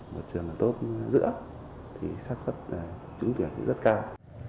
một trường là tốt giữa thì sát xuất trúng tuyển thì rất cao